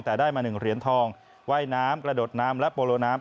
แต่ได้มา๑เหรียญทองว่ายน้ำกระโดดน้ำและโปโลน้ำ